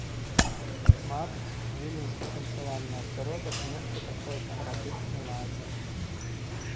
Мабыць, віленскі танцавальны асяродак нешта такое спарадычна ладзіць.